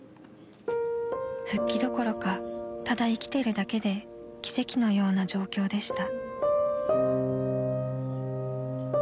［復帰どころかただ生きてるだけで奇跡のような状況でした］